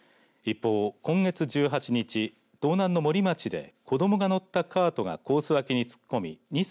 一方、今月１８日道南の森町で子ども乗ったカートがコース